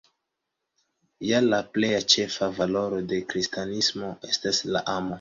Ja la plej ĉefa valoro de kristanismo estas la amo.